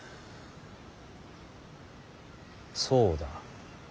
そうだ。